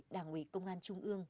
đảng ủy công an trung ương